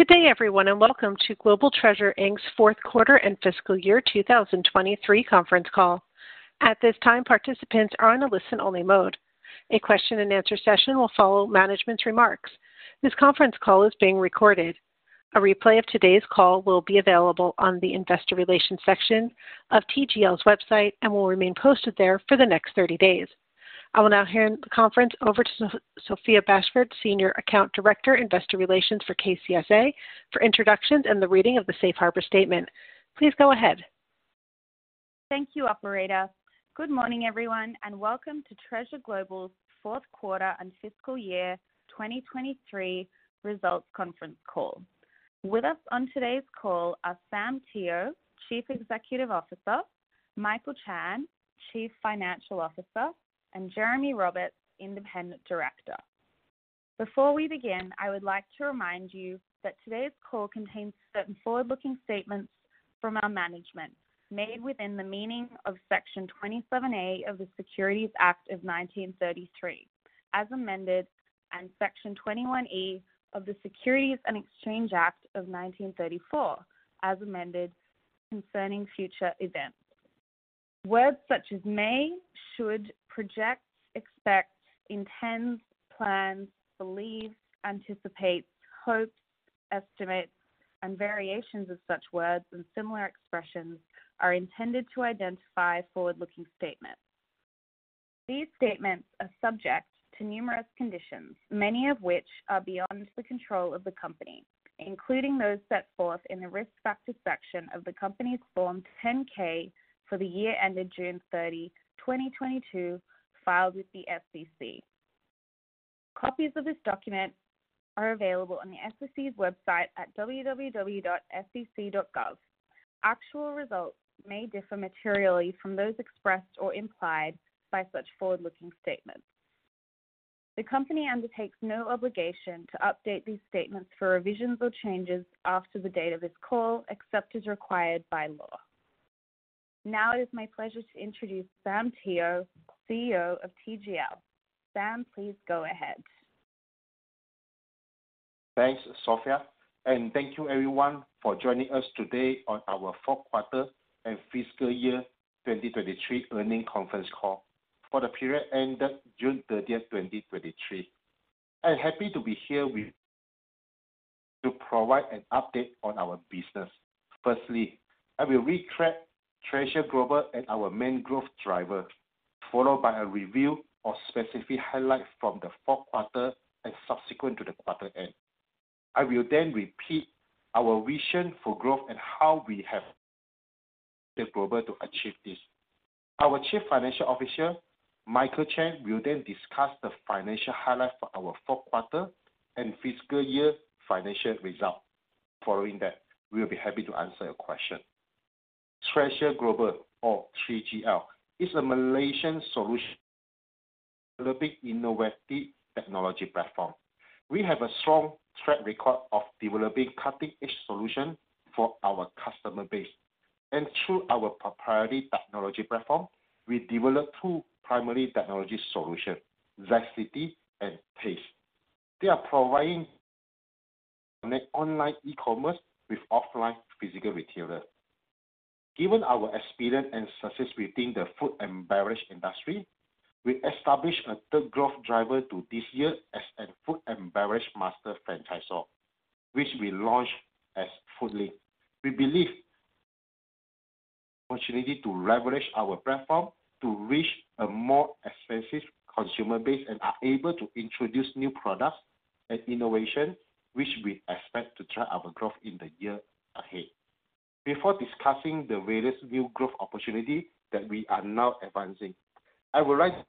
Good day, everyone, and welcome to Treasure Global Inc's fourth quarter and fiscal year 2023 conference call. At this time, participants are on a listen-only mode. A question and answer session will follow management's remarks. This conference call is being recorded. A replay of today's call will be available on the investor relations section of TGL's website and will remain posted there for the next 30 days. I will now hand the conference over to Sophia Bashford, Senior Account Director, Investor Relations for KCSA, for introductions and the reading of the safe harbor statement. Please go ahead. Thank you, operator. Good morning, everyone, and welcome to Treasure Global's fourth quarter and fiscal year 2023 results conference call. With us on today's call are Sam Teo, Chief Executive Officer; Michael Chan, Chief Financial Officer; and Jeremy Roberts, Independent Director. Before we begin, I would like to remind you that today's call contains certain forward-looking statements from our management, made within the meaning of Section 27A of the Securities Act of 1933, as amended, and Section 21A of the Securities and Exchange Act of 1934, as amended, concerning future events. Words such as may, should, project, expect, intends, plans, believes, anticipates, hopes, estimates, and variations of such words and similar expressions are intended to identify forward-looking statements. These statements are subject to numerous conditions, many of which are beyond the control of the company, including those set forth in the risk factors section of the Company's Form 10-K for the year ended June 30, 2022, filed with the SEC. Copies of this document are available on the SEC's website at www.sec.gov. Actual results may differ materially from those expressed or implied by such forward-looking statements. The company undertakes no obligation to update these statements for revisions or changes after the date of this call, except as required by law. Now, it is my pleasure to introduce Sam Teo, CEO of TGL. Sam, please go ahead. Thanks, Sophia, and thank you, everyone, for joining us today on our fourth quarter and fiscal year 2023 earnings conference call for the period ended June 30, 2023. I'm happy to be here with... to provide an update on our business. Firstly, I will recap Treasure Global and our main growth driver, followed by a review of specific highlights from the fourth quarter and subsequent to the quarter end. I will then recap our vision for growth and how we have the tools to achieve this. Our Chief Financial Officer, Michael Chan, will then discuss the financial highlights for our fourth quarter and fiscal year financial results. Following that, we'll be happy to answer your question. Treasure Global or TGL is a Malaysian solutions innovative technology platform. We have a strong track record of developing cutting-edge solutions for our customer base, and through our proprietary technology platform, we developed two primary technology solutions, ZCITY and TAZTE. They are providing an online e-commerce with offline physical retailers. Given our experience and success within the food and beverage industry, we established a third growth driver to this year as a food and beverage master franchisor, which we launched as Foodlink. We believe the opportunity to leverage our platform to reach a more expansive consumer base and are able to introduce new products and innovation, which we expect to drive our growth in the year ahead. Before discussing the various new growth opportunities that we are now advancing, I will recap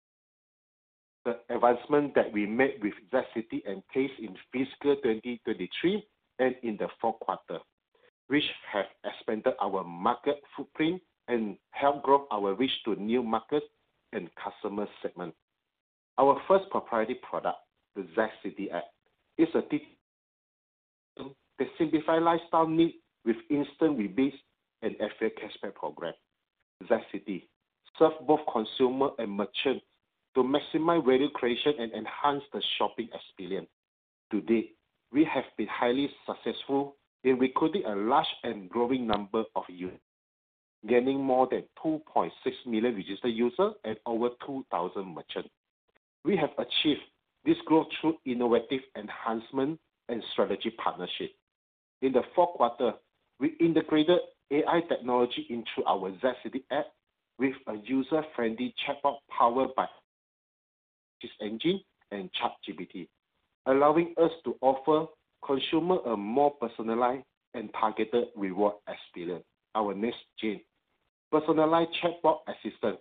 the advancements that we made with ZCITY and TAZTE in fiscal 2023 and in the fourth quarter, which have expanded our market footprint and helped grow our reach to new markets and customer segments. Our first proprietary product, the ZCITY app, is a digital ecosystem that simplifies lifestyle needs with instant rebates and actual cashback program. ZCITY serves both consumer and merchant to maximize value creation and enhance the shopping experience. To date, we have been highly successful in recruiting a large and growing number of users, gaining more than 2.6 million registered users and over 2,000 merchants. We have achieved this growth through innovative enhancement and strategic partnerships. In the fourth quarter, we integrated AI technology into our ZCITY app with a user-friendly chatbot powered by engine and ChatGPT, allowing us to offer consumers a more personalized and targeted reward experience. Our next-gen personalized chatbot assistant,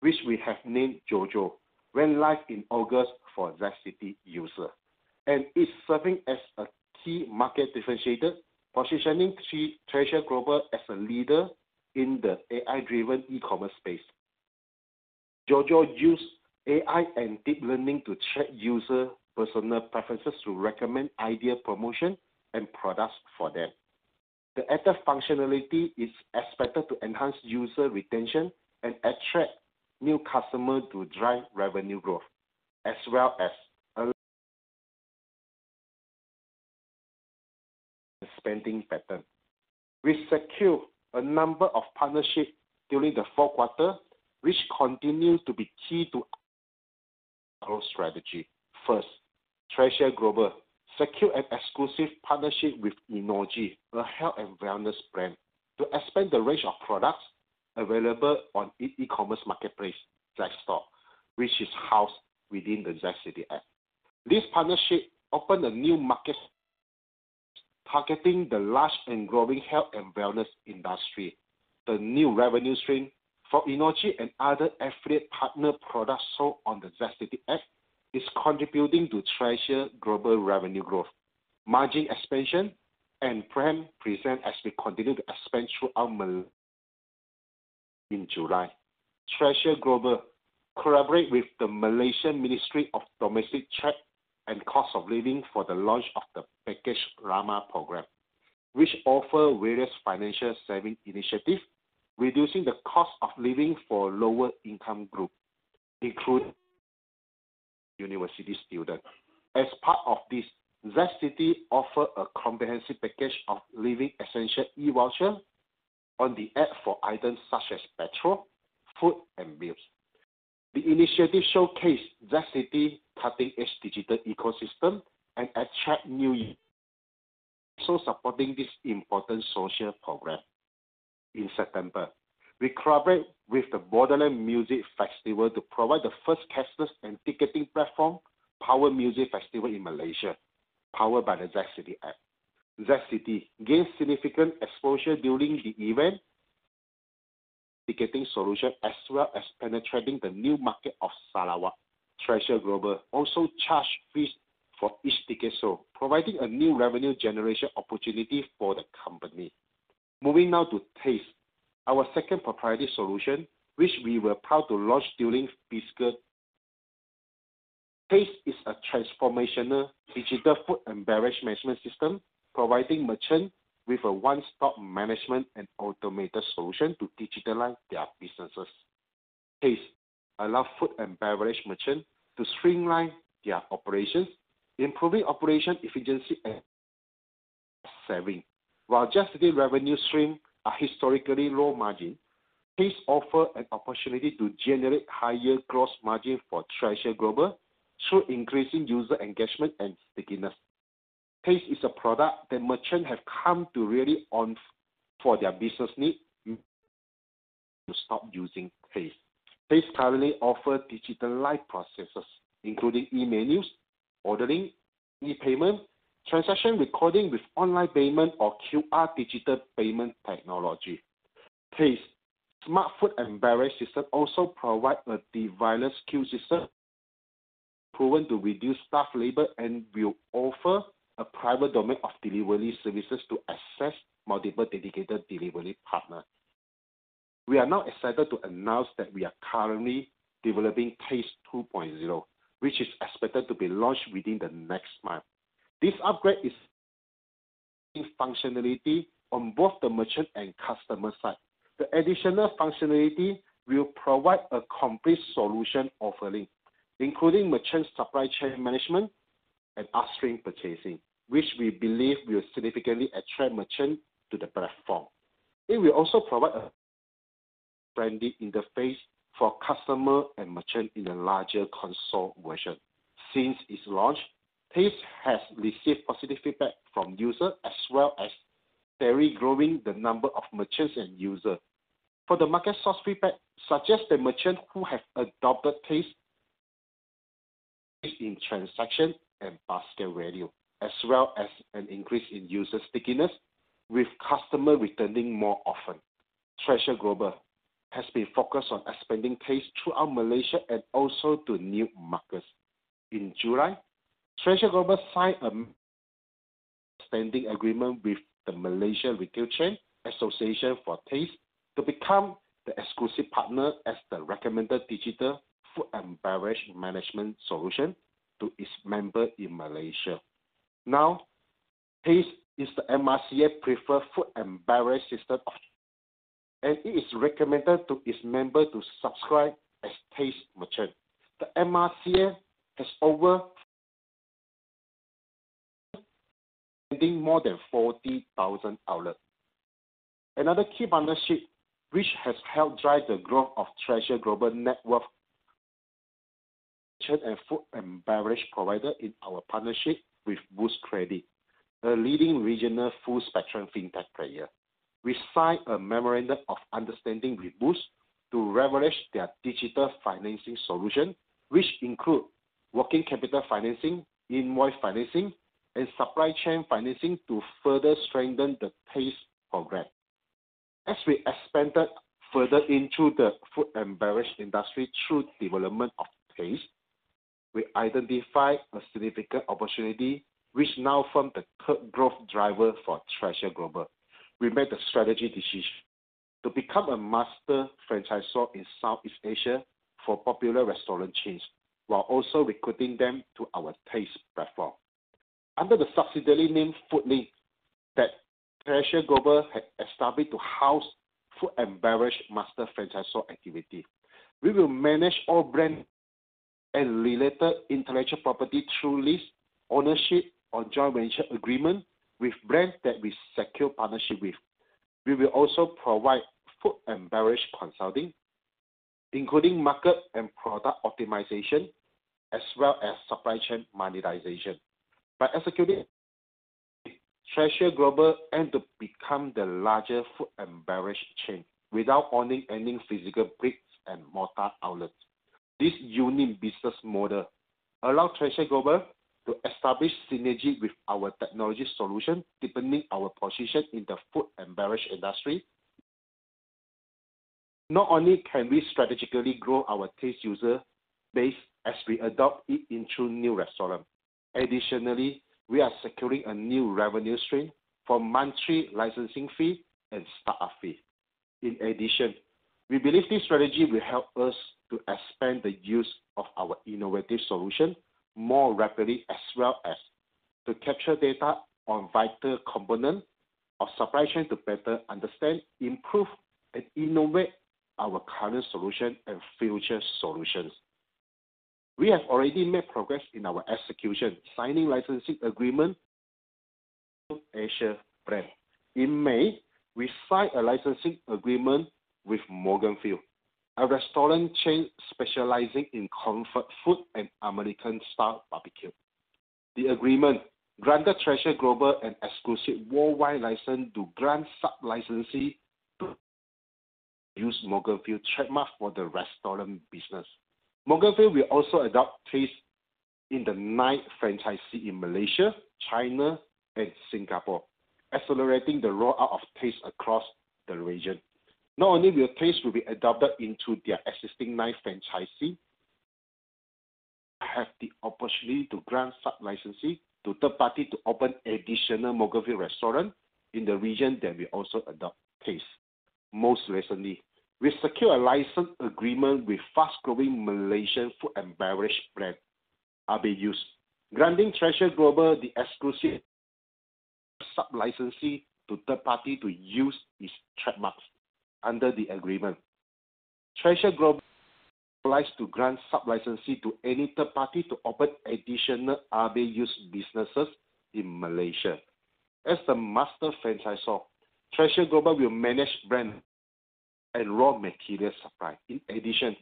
which we have named Jojo, went live in August for ZCITY users and is serving as a key market differentiator, positioning Treasure Global as a leader in the AI-driven e-commerce space. Jojo uses AI and deep learning to check user personal preferences to recommend ideal promotion and products for them. The added functionality is expected to enhance user retention and attract new customers to drive revenue growth, as well as a spending pattern. We secured a number of partnerships during the fourth quarter, which continues to be key to our strategy. First, Treasure Global secured an exclusive partnership with enogy, a health and wellness brand, to expand the range of products available on e-commerce marketplace, Zstore, which is housed within the ZCITY app. This partnership opened a new market, targeting the large and growing health and wellness industry. The new revenue stream for enogy and other affiliate partner products sold on the ZCITY app is contributing to Treasure Global revenue growth, margin expansion, and brand presence as we continue to expand through our mal-. In July, Treasure Global collaborated with the Malaysian Ministry of Domestic Trade and Cost of Living for the launch of the Pakej RAHMAH program, which offer various financial saving initiatives, reducing the cost of living for lower-income group, including university students. As part of this, ZCITY offered a comprehensive package of living essential e-voucher on the app for items such as petrol, food, and bills. The initiative showcased ZCITY's cutting-edge digital ecosystem and attract new, so supporting this important social program. In September, we collaborate with the Borderland Music Festival to provide the first cashless and ticketing platform-powered music festival in Malaysia, powered by the ZCITY app. ZCITY gained significant exposure during the event, ticketing solution, as well as penetrating the new market of Sarawak. Treasure Global also charge fees for each ticket sold, providing a new revenue generation opportunity for the company. Moving now to TAZTE, our second proprietary solution, which we were proud to launch during fiscal. TAZTE is a transformational digital food and beverage management system, providing merchant with a one-stop management and automated solution to digitalize their businesses. TAZTE allow food and beverage merchant to streamline their operations, improving operation efficiency and saving. While just the revenue stream are historically low margin, TAZTE offer an opportunity to generate higher gross margin for Treasure Global through increasing user engagement and stickiness. TAZTE is a product that merchant have come to rely on for their business needs to stop using TAZTE. TAZTE currently offer digitalized processes, including online menus, ordering, e-payment, transaction recording with online payment or QR Digital Payment technology. TAZTE, smart food and beverage system also provide a digital queue system proven to reduce staff labor and will offer a private domain of delivery services to access multiple dedicated delivery partner. We are now excited to announce that we are currently developing TAZTE 2.0, which is expected to be launched within the next month. This upgrade is functionality on both the merchant and customer side. The additional functionality will provide a complete solution offering, including merchant supply chain management and upstream purchasing, which we believe will significantly attract merchant to the platform. It will also provide a friendly interface for customer and merchant in a larger console version. Since its launch, TAZTE has received positive feedback from users, as well as very growing the number of merchants and users. For the market source feedback, suggest that merchant who have adopted TAZTE in transaction and basket value, as well as an increase in user stickiness, with customer returning more often. Treasure Global has been focused on expanding TAZTE throughout Malaysia and also to new markets. In July, Treasure Global signed a standing agreement with the Malaysia Retail Chain Association for TAZTE to become the exclusive partner as the recommended digital food and beverage management solution to its member in Malaysia. Now, TAZTE is the MRCA preferred food and beverage system, and it is recommended to its member to subscribe as TAZTE merchant. The MRCA has over more than 40,000 outlets. Another key partnership, which has helped drive the growth of Treasure Global network, and food and beverage provider in our partnership with Boost Credit, a leading regional full-spectrum fintech player. We signed a memorandum of understanding with Boost to leverage their digital financing solution, which include working capital financing, invoice financing, and supply chain financing to further strengthen the TAZTE program. As we expanded further into the food and beverage industry through development of TAZTE, we identified a significant opportunity, which now form the third growth driver for Treasure Global. We made a strategy decision to become a master franchisor in Southeast Asia for popular restaurant chains, while also recruiting them to our TAZTE platform. Under the subsidiary name, Foodlink, that Treasure Global has established to house food and beverage master franchisor activity. We will manage all brand and related intellectual property through lease, ownership, or joint venture agreement with brands that we secure partnership with. We will also provide food and beverage consulting, including market and product optimization, as well as supply chain monetization. By executing, Treasure Global aim to become the largest food and beverage chain without owning any physical bricks-and-mortar outlets. This unique business model allows Treasure Global to establish synergy with our technology solution, deepening our position in the food and beverage industry. Not only can we strategically grow our TAZTE user base as we adopt it into new restaurant, additionally, we are securing a new revenue stream for monthly licensing fee and startup fee. In addition, we believe this strategy will help us to expand the use of our innovative solution more rapidly, as well as to capture data on vital component of supply chain to better understand, improve, and innovate our current solution and future solutions. We have already made progress in our execution, signing licensing agreement, Asia brand. In May, we signed a licensing agreement with Morganfield's, a restaurant chain specializing in comfort food and American-style barbecue. The agreement granted Treasure Global an exclusive worldwide license to grant sub-licensee to use Morganfield's trademark for the restaurant business. Morganfield's will also adopt TAZTE in the nine franchisee in Malaysia, China, and Singapore, accelerating the rollout of TAZTE across the region. Not only will TAZTE be adopted into their existing nine franchisees, have the opportunity to grant sub-licensing to third parties to open additional Morganfield's restaurants in the region that will also adopt TAZTE. Most recently, we secure a license agreement with fast-growing Malaysian food and beverage brand, Abe Yus. Granting Treasure Global the exclusive sub-licensing to third parties to use its trademarks under the agreement. Treasure Global likes to grant sub-licensing to any third party to open additional Abe Yus businesses in Malaysia. As the master franchisor, Treasure Global will manage brand and raw material supply. In addition,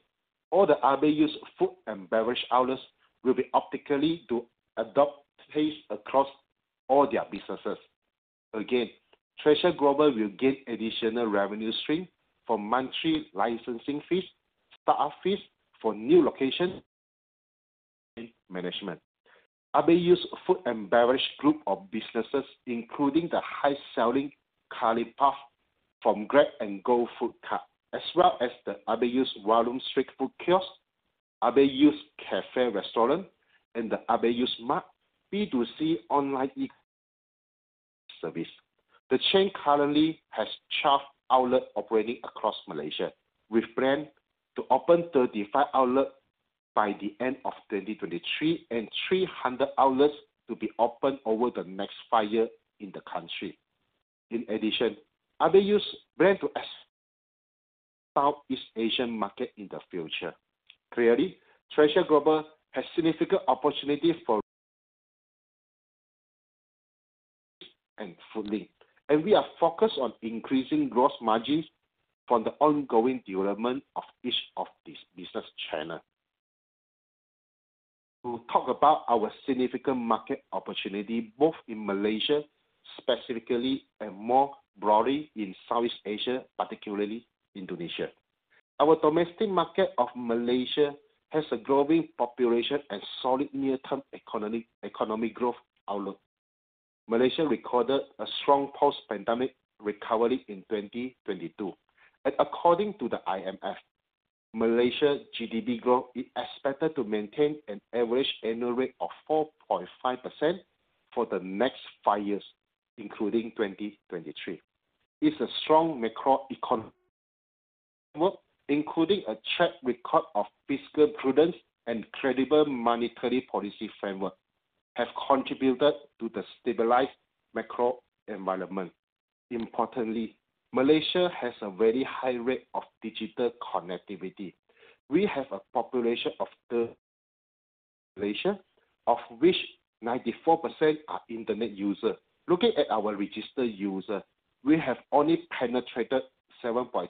all the Abe Yus food and beverage outlets will be obligated to adopt TAZTE across all their businesses. Again, Treasure Global will gain additional revenue stream from monthly licensing fees, startup fees for new locations, and management. Abe Yus food and beverage group of businesses, including the high-selling curry puff from Grab-and-Go Food Hub, as well as the Abe Yus volume street food kiosk, Abe Yus Cafe Restaurant, and the Abe Yus Mart, B2C online e-service. The chain currently has 12 outlets operating across Malaysia, with plan to open 35 outlets by the end of 2023, and 300 outlets to be opened over the next 5 years in the country. In addition, Abe Yus plan to Southeast Asian market in the future. Clearly, Treasure Global has significant opportunity for Foodlink, and we are focused on increasing gross margins from the ongoing development of each of these business channel. To talk about our significant market opportunity, both in Malaysia, specifically, and more broadly in Southeast Asia, particularly Indonesia. Our domestic market of Malaysia has a growing population and solid near-term economy, economic growth outlook. Malaysia recorded a strong post-pandemic recovery in 2022, and according to the IMF, Malaysia GDP growth is expected to maintain an average annual rate of 4.5% for the next five years, including 2023. It's a strong macroeconomy, including a track record of fiscal prudence and credible monetary policy framework, have contributed to the stabilized macro environment. Importantly, Malaysia has a very high rate of digital connectivity. We have a population of the Malaysia, of which 94% are internet user. Looking at our registered user, we have only penetrated 7.3%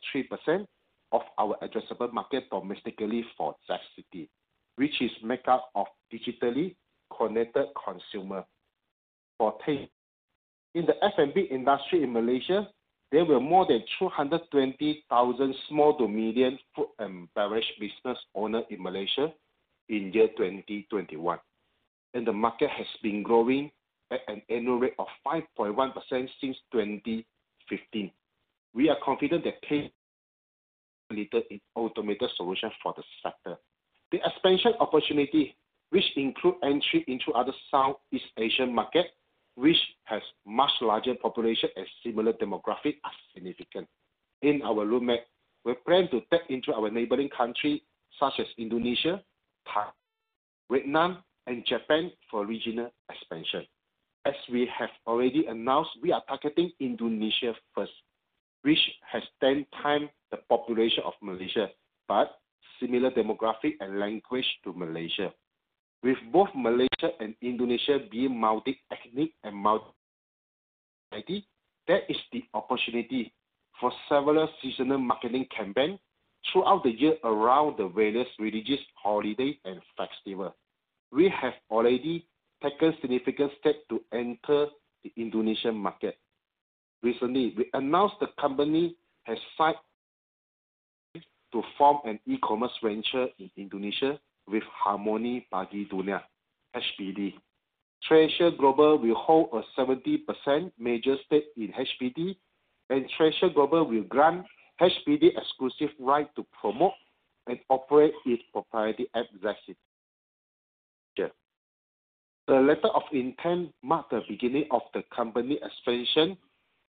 of our addressable market domestically for ZCITY, which is made up of digitally connected consumer. For TAZTE, in the F&B industry in Malaysia, there were more than 220,000 small-to-medium food and beverage business owners in Malaysia in 2021, and the market has been growing at an annual rate of 5.1% since 2015. We are confident that TAZTE is needed, an automated solution for the sector. The expansion opportunity, which include entry into other Southeast Asian market, which has much larger population and similar demographic, are significant. In our roadmap, we plan to tap into our neighboring country, such as Indonesia, Thailand, Vietnam, and Japan for regional expansion. As we have already announced, we are targeting Indonesia first, which has 10 times the population of Malaysia, but similar demographic and language to Malaysia. With both Malaysia and Indonesia being multi-ethnic and multi-society, there is the opportunity for several seasonal marketing campaign throughout the year around the various religious holiday and festival. We have already taken significant steps to enter the Indonesian market. Recently, we announced the company has signed to form an e-commerce venture in Indonesia with Harmoni Pagi Dunia (HPD). Treasure Global will hold a 70% major stake in HPD, and Treasure Global will grant HPD exclusive right to promote and operate its proprietary app, ZCITY. The letter of intent marked the beginning of the company expansion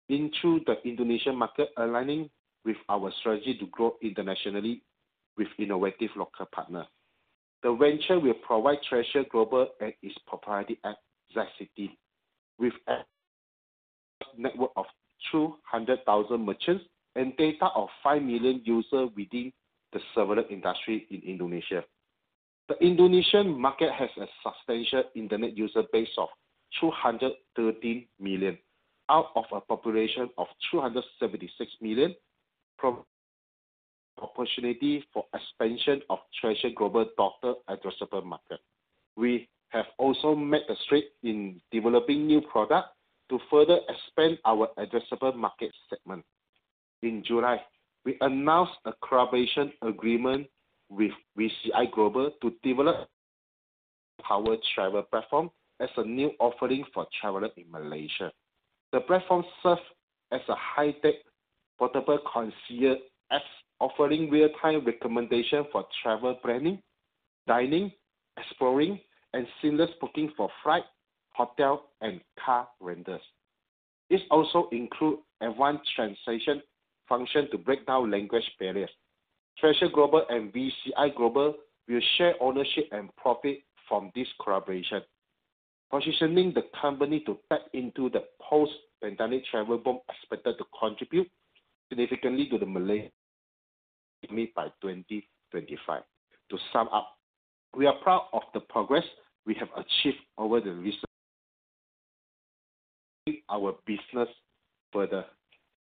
into the Indonesian market, aligning with our strategy to grow internationally with innovative local partners. The venture will provide Treasure Global and its proprietary app, ZCITY, with a network of 200,000 merchants and data of 5 million users within the several industry in Indonesia. The Indonesian market has a substantial internet user base of 213 million, out of a population of 276 million, from opportunity for expansion of Treasure Global total addressable market. We have also made a stretch in developing new product to further expand our addressable market segment. In July, we announced a collaboration agreement with VCI Global to develop our travel platform as a new offering for traveler in Malaysia. The platform serves as a high-tech portable concierge app, offering real-time recommendation for travel planning, dining, exploring, and seamless booking for flight, hotel, and car rentals. This also include advanced translation function to break down language barriers. Treasure Global and VCI Global will share ownership and profit from this collaboration, positioning the company to tap into the post-pandemic travel boom, expected to contribute significantly to the Malaysia by 2025. To sum up, we are proud of the progress we have achieved over the recent.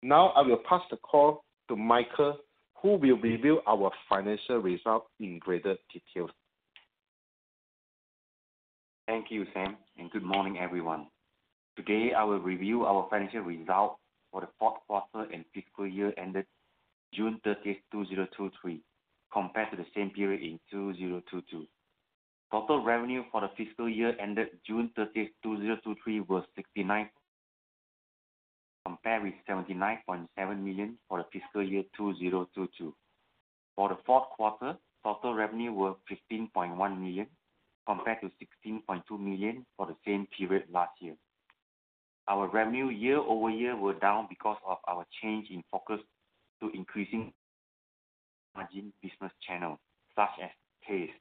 Now, I will pass the call to Michael, who will review our financial results in greater detail. Thank you, Sam, and good morning, everyone. Today, I will review our financial result for the fourth quarter and fiscal year ended June 30, 2023, compared to the same period in 2022. Total revenue for the fiscal year ended June 30, 2023, was $69 million, compared with $79.7 million for the fiscal year 2022. For the fourth quarter, total revenue was $15.1 million, compared to $16.2 million for the same period last year. Our revenue year-over-year were down because of our change in focus to increasing margin business channels, such as TAZTE.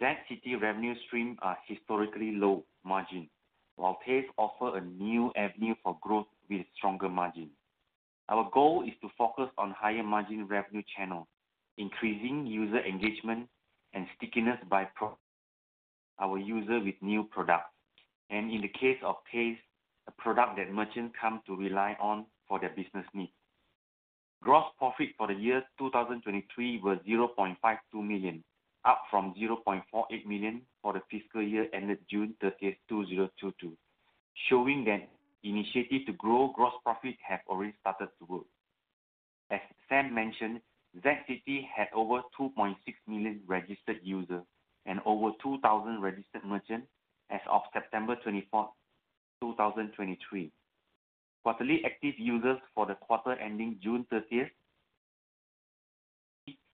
ZCITY revenue stream are historically low margin, while TAZTE offer a new avenue for growth with stronger margin. Our goal is to focus on higher-margin revenue channels, increasing user engagement and stickiness by providing our users with new products, and in the case of TAZTE, a product that merchants come to rely on for their business needs. Gross profit for the year 2023 was $0.52 million, up from $0.48 million for the fiscal year ended June 30, 2022, showing that initiatives to grow gross profit have already started to work. As Sam mentioned, ZCITY had over 2.6 million registered users and over 2,000 registered merchants as of September 24, 2023. Quarterly active users for the quarter ending June 30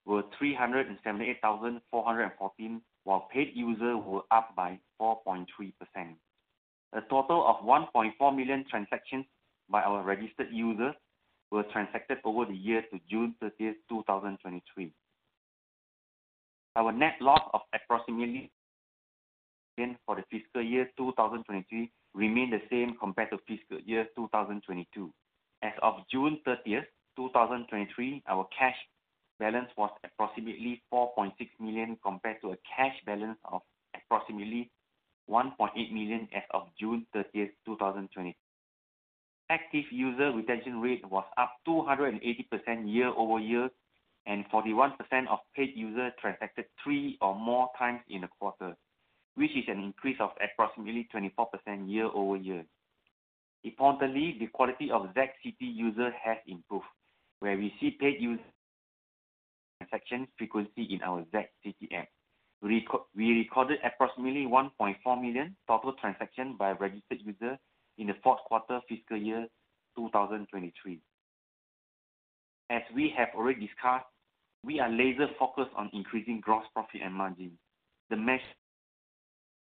were 378,414, while paid users were up by 4.3%. A total of 1.4 million transactions by our registered users were transacted over the year to June 30, 2023. Our net loss of approximately for the fiscal year 2023 remained the same compared to fiscal year 2022. As of June 30, 2023, our cash balance was approximately $4.6 million, compared to a cash balance of approximately $1.8 million as of June 30, 2020. Active user retention rate was up 280% year-over-year, and 41% of paid users transacted three or more times in a quarter, which is an increase of approximately 24% year-over-year. Importantly, the quality of ZCITY user has improved, where we see paid users transaction frequency in our ZCITY app. We recorded approximately 1.4 million total transactions by registered users in the fourth quarter fiscal year 2023. As we have already discussed, we are laser-focused on increasing gross profit and margin. The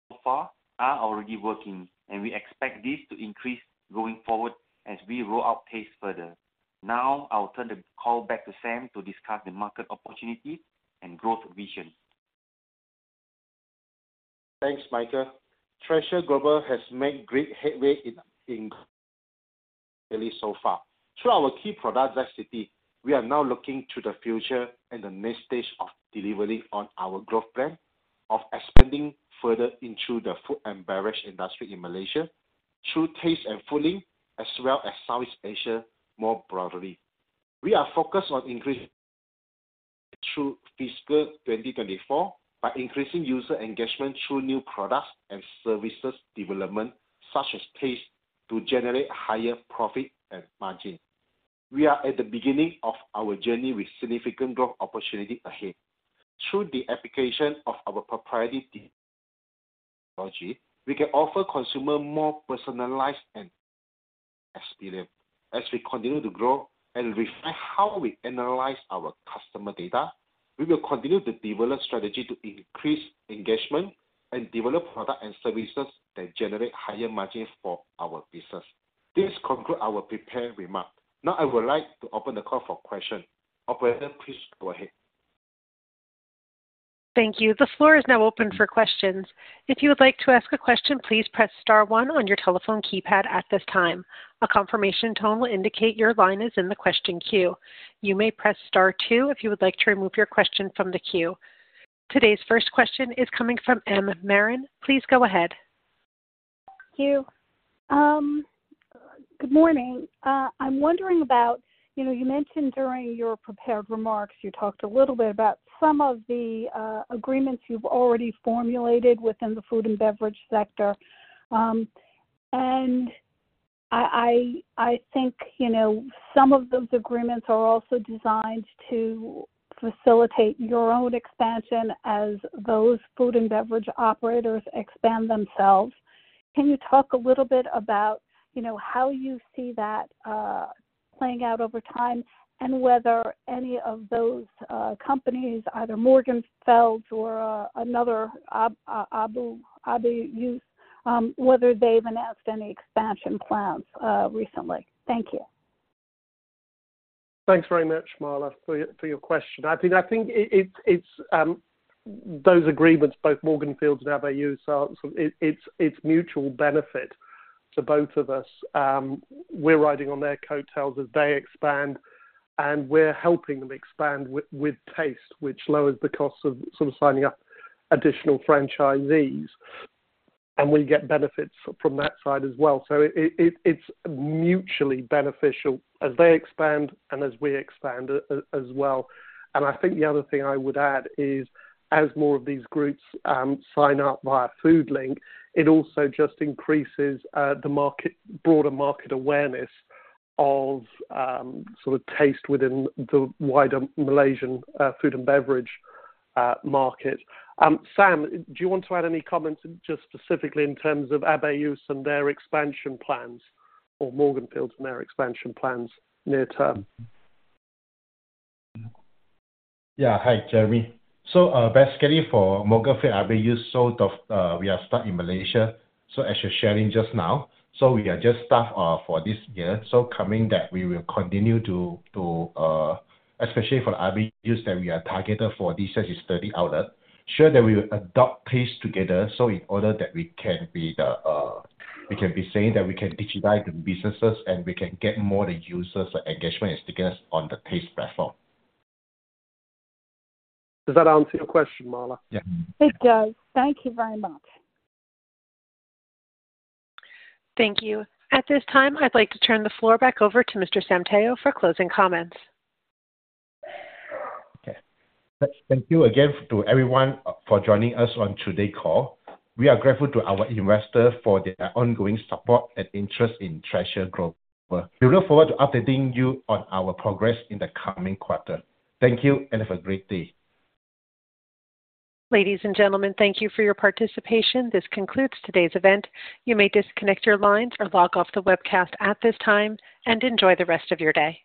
measures, so far, are already working, and we expect this to increase going forward as we roll out TAZTE further. Now I will turn the call back to Sam to discuss the market opportunity and growth vision. Thanks, Michael. Treasure Global has made great headway so far. Through our key product, ZCITY, we are now looking to the future and the next stage of delivering on our growth plan of expanding further into the food and beverage industry in Malaysia through TAZTE, as well as Southeast Asia more broadly. We are focused on increasing through fiscal 2024 by increasing user engagement through new products and services development, such as TAZTE, to generate higher profit and margin. We are at the beginning of our journey with significant growth opportunity ahead. Through the application of our proprietary technology, we can offer consumers more personalized and experience. As we continue to grow and refine how we analyze our customer data, we will continue to develop strategies to increase engagement and develop products and services that generate higher margins for our business. This concludes our prepared remarks. Now I would like to open the call for questions. Operator, please go ahead. Thank you. The floor is now open for questions. If you would like to ask a question, please press star one on your telephone keypad at this time. A confirmation tone will indicate your line is in the question queue. You may press star two if you would like to remove your question from the queue. Today's first question is coming from M. Marin. Please go ahead. Thank you. Good morning. I'm wondering about, you know, you mentioned during your prepared remarks, you talked a little bit about some of the agreements you've already formulated within the food and beverage sector. And I think, you know, some of those agreements are also designed to facilitate your own expansion as those food and beverage operators expand themselves. Can you talk a little bit about, you know, how you see that playing out over time, and whether any of those companies, either Morganfield's or another, Abe Yus, whether they've announced any expansion plans recently? Thank you. Thanks very much, Marla, for your question. I think it's those agreements, both Morganfield's and Abe Yus, are mutual benefit to both of us. We're riding on their coattails as they expand, and we're helping them expand with TAZTE, which lowers the cost of sort of signing up additional franchisees, and we get benefits from that side as well. So it's mutually beneficial as they expand and as we expand as well. And I think the other thing I would add is, as more of these groups sign up via Foodlink, it also just increases the market, broader market awareness of sort of TAZTE within the wider Malaysian food and beverage market. Sam, do you want to add any comments, just specifically in terms of Abe Yus and their expansion plans or Morganfield's and their expansion plans near term? Yeah. Hi, Jeremy. So, basically for Morganfield's, Abe Yus, so the, we are starting in Malaysia. So as you're sharing just now, so we are just start for this year. So coming that we will continue to, to, especially for Abe Yus, that we are targeted for this is 30 outlet. Sure, that we will adopt TAZTE together, so in order that we can be the, we can be saying that we can digitize the businesses and we can get more the users engagement and stickers on the TAZTE platform. Does that answer your question, Marla? It does. Thank you very much. Thank you. At this time, I'd like to turn the floor back over to Mr. Sam Teo for closing comments. Okay. Thank you again to everyone for joining us on today's call. We are grateful to our investors for their ongoing support and interest in Treasure Global. We look forward to updating you on our progress in the coming quarter. Thank you, and have a great day. Ladies and gentlemen, thank you for your participation. This concludes today's event. You may disconnect your lines or log off the webcast at this time, and enjoy the rest of your day.